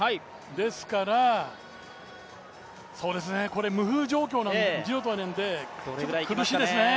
ですからこれ、無風状況なので苦しいですね。